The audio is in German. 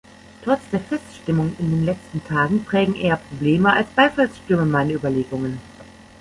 Trotz der Feststimmung in den letzten Tagen prägen eher Probleme als Beifallsstürme meine Überlegungen.